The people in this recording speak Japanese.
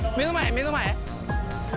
目の前？